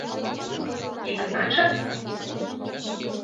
— Игнаша?..